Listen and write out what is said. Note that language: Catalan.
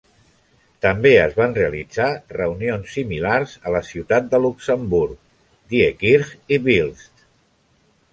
També es van realitzar reunions similars a Ciutat de Luxemburg, Diekirch i Wiltz.